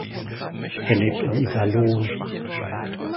Er lebt in Iserlohn.